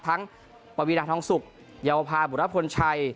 ทั้งประวีดาทองศุกร์ยาวภาพบุรพลชัย